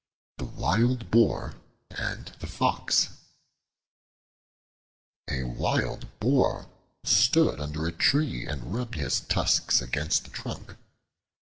The Wild Boar and the Fox A WILD BOAR stood under a tree and rubbed his tusks against the trunk.